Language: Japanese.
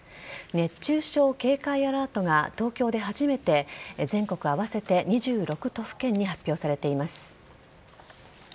熱中症警戒アラートが東京で初めて全国合わせて２６都府県に発表されています。